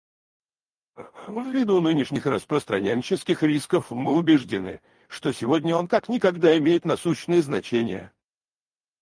Ввиду нынешних распространенческих рисков мы убеждены, что сегодня он как никогда имеет насущное значение.